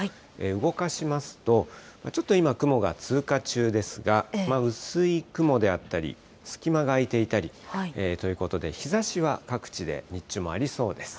動かしますと、ちょっと今、雲が通過中ですが、薄い雲であったり、隙間があいていたりということで、日ざしは各地で日中もありそうです。